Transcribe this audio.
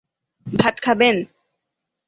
ভাত খাবেন?